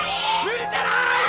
無理じゃない！